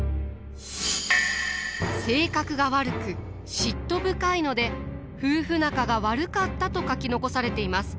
性格が悪く嫉妬深いので夫婦仲が悪かったと書き残されています。